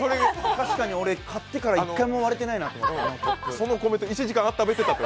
確かに俺、買ってから一回も割れてないなと思って。